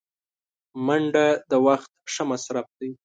منډه د وخت ښه مصرف دی